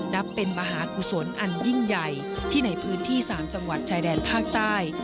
นับเป็นมหากุศลอันยิ่งใหญ่ที่ในพื้นที่๓จังหวัดชายแดนภาคใต้